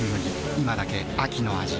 今だけ秋の味